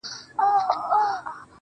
په سپورږمۍ كي زمــــــــــا زړه دى.